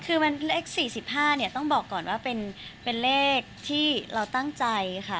คือมันเลข๔๕เนี่ยต้องบอกก่อนว่าเป็นเลขที่เราตั้งใจค่ะ